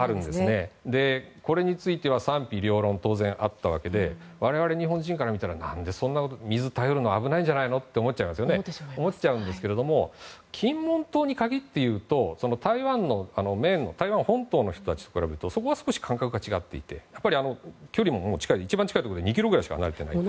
これについては賛否両論が当然あったわけで我々日本人から見たら水を頼るのは危ないんじゃないの？と思っちゃうんですが金門島に限って言うと台湾のメインの本島の人と比べるとそこは少し感覚が違っていて距離も近い一番近いところで２ｋｍしか離れていない。